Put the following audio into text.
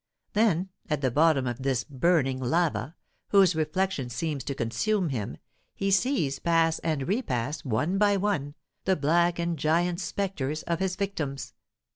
Then, at the bottom of this burning lava, whose reflection seems to consume him, he sees pass and repass, one by one, the black and giant spectres of his victims.